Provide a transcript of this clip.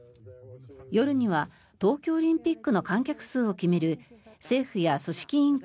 夜には東京オリンピックの観客数を決める政府や組織委員会